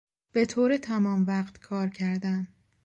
به طور تمام وقت کار کردن